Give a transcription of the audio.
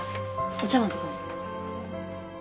お茶わんとかも。